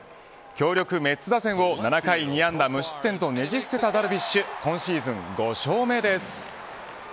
強力メッツ打線を７回２安打無失点とねじ伏せたダルビッシュ今シーズン５勝目です。